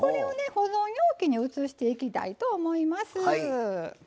保存容器に移していきたいと思います。